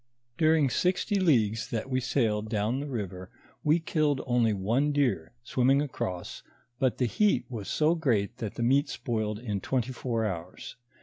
During sixty leagues that we sailed down the river, we killed only one deer, swimming across, but the heat was so great that the meat spoiled in twenty four houre.